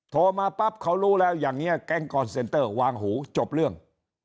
โทรมาปั๊บเขารู้แล้วอย่างนี้แก๊งกอนเซนเตอร์วางหูจบเรื่อง